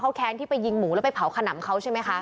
เขาแค้นที่ไปยิงหมูแล้วไปเผาขนำเขาใช่ไหมคะ